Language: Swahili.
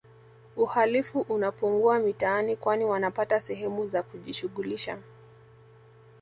Uhalifu unapungua mitaani kwani wanapata sehemu za kujishughulisha